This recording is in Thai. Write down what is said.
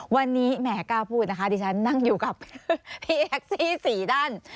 วันนี้แหมกล้าพูดนะคะดิฉันนั่งอยู่กับพี่แท็กซี่๔ด้าน